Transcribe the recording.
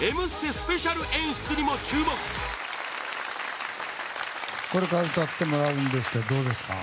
スペシャル演出にも注目これから歌ってもらうんですけどどうですか？